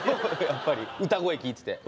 やっぱり歌声聴いてて。